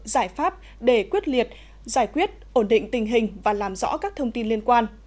giải pháp để quyết liệt giải quyết ổn định tình hình và làm rõ các thông tin liên quan